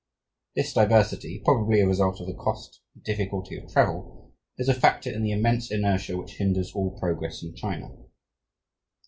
This diversity, probably a result of the cost and difficulty of travel, is a factor in the immense inertia which hinders all progress in China.